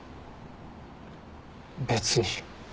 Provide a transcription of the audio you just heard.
別に。